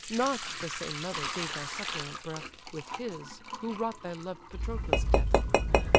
Not the same mother gave thy suppliant breath, With his, who wrought thy loved Patroclus' death."